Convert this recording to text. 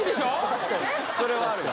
確かにそれはあるな